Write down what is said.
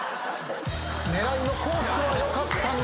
狙いのコースはよかったんですが。